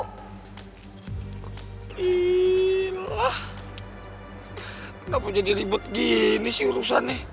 gila kenapa jadi ribet gini sih urusannya